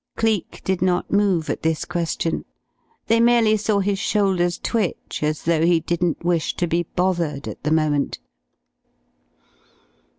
Cleek did not move at this question. They merely saw his shoulders twitch as though he didn't wish to be bothered at the moment.